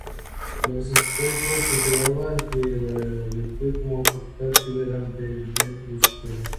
Los estoicos consideraban que la virtud, como facultad activa, era el bien supremo.